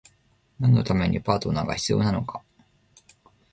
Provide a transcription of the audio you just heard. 何のためにパートナーが必要なのか？